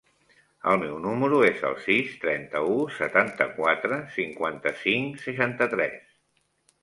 El meu número es el sis, trenta-u, setanta-quatre, cinquanta-cinc, seixanta-tres.